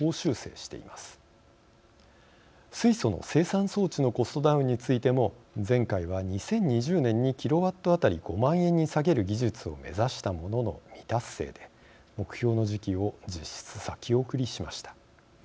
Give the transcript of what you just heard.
水素の生産装置のコストダウンについても前回は２０２０年にキロワット当たり５万円に下げる技術を目指したものの未達成で目標の時期を実質先送りしました。